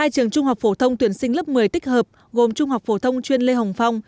một mươi trường trung học phổ thông tuyển sinh lớp một mươi tích hợp gồm trung học phổ thông chuyên lê hồng phong